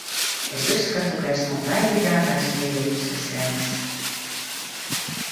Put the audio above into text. Es uzskatu, ka esmu laimīgākais vīrietis uz Zemes.